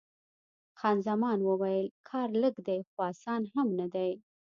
خان زمان وویل: کار لږ دی، خو اسان هم نه دی.